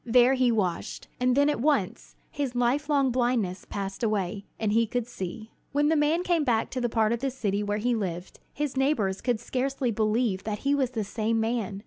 There he washed, and then at once his life long blindness passed away, and he could see. When the man came back to the part of the city where he lived, his neighbors could scarcely believe that he was the same man.